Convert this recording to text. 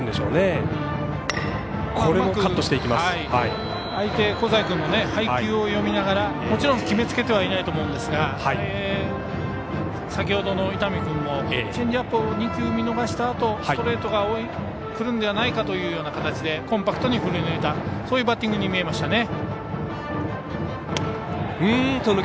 うまく相手香西君の配球を読みながらもちろん、決め付けてはいないと思うんですが先ほどの伊丹君もチェンジアップを２球見逃したあとストレートが、くるんじゃないかというような形でコンパクトに振り抜いたそういうバッティングに見えました。